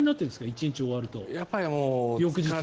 １日終わると翌日は。